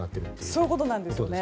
そういうことなんです。